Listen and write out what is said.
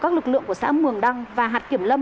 các lực lượng của xã mường đăng và hạt kiểm lâm